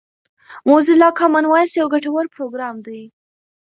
موزیلا کامن وایس یو ګټور پروګرام دی.